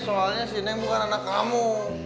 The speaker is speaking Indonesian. soalnya si neng bukan anak kamu